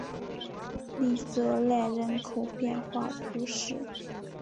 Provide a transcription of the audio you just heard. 利泽赖人口变化图示